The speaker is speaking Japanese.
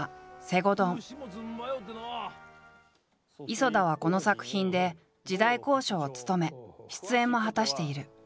磯田はこの作品で時代考証を務め出演も果たしている。